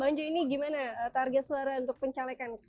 bang jo ini gimana target suara untuk pencalekan